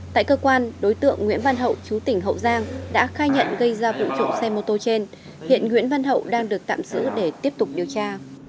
tại cơ quan đối tượng nguyễn văn hậu chú tỉnh hậu giang đã khai nhận gây ra vụ trộm xe mô tô trên hiện nguyễn văn hậu đang được tạm giữ để tiếp tục điều tra